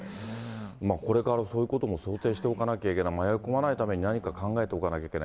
これからそういうことも想定しておかなきゃいけない、迷い込まないために何か考えておかなきゃいけない。